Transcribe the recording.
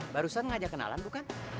barusan ngajak kenalan bukan